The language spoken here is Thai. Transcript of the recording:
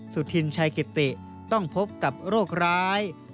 สุธินชัยกิติต้องพบกับโรคร้าย